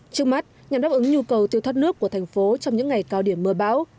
trước mắt nhằm đáp ứng nhu cầu tiêu thoát nước của thành phố trong những ngày cao điểm mưa bão